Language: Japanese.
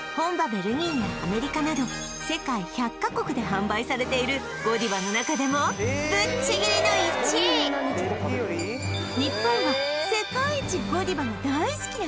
ベルギーやアメリカなど世界１００か国で販売されているＧＯＤＩＶＡの中でもぶっちぎりの１位なのだ